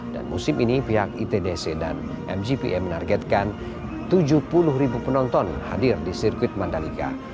musim ini pihak itdc dan mgpa menargetkan tujuh puluh ribu penonton hadir di sirkuit mandalika